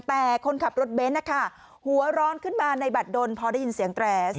แต่คนขับรถเบนท์นะคะหัวร้อนขึ้นมาในบัตรดนพอได้ยินเสียงแตรส